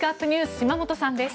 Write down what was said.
島本さんです。